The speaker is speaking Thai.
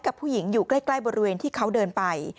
กับผู้หญิงอยู่ใกล้บริเวณที่เขาเดินไป